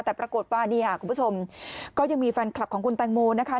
แต่ปรากฏว่านี่ค่ะคุณผู้ชมก็ยังมีแฟนคลับของคุณแตงโมนะคะ